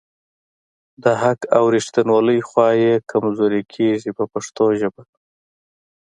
د حق او ریښتیولۍ خوا یې کمزورې کیږي په پښتو ژبه.